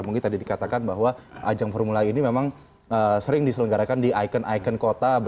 mungkin tadi dikatakan bahwa ajang formula e ini memang sering diselenggarakan di ikon ikon kota